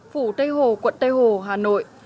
phủ tây hồ quận tây hồ hà nội